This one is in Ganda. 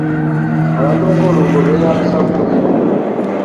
Abatunga olubugo beeyambisa buso.